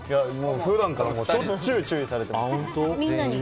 普段からしょっちゅう注意されてます。